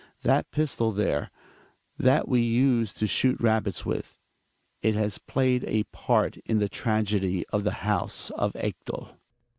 That pistol there — that we used to shoot rabbits with — it has played a part in the tragedy of the house of Ekdal.